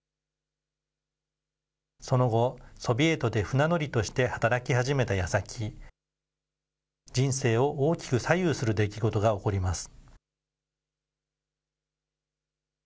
その後、ソビエトで船乗りとして働き始めたやさき、人生を大きく左右する出来事が起こります。